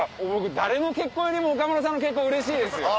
誰の結婚よりも岡村さんの結婚うれしいですよ。